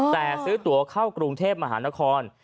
แต่ซื้อตัวเข้ากรุงเทพมหานคร